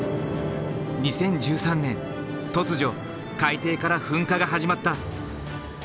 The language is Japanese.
２０１３年突如海底から噴火が始まった。